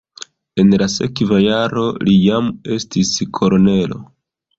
En la sekva jaro li jam estis kolonelo.